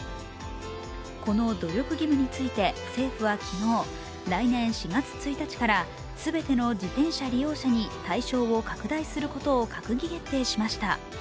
この努力義務について政府は昨日、来年４月１日から全ての自転車利用者に対象を拡大することを閣議決定しました。